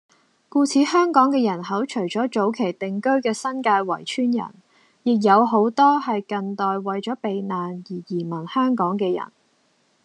故此香港嘅人口除咗早期定居嘅新界圍村人，亦有好多係近代為咗避難而移民香港嘅人